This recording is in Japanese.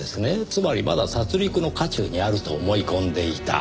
つまりまだ殺戮の渦中にあると思い込んでいた。